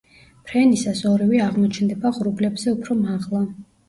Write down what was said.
ფრენისას ორივე აღმოჩნდება ღრუბლებზე უფრო მაღლა.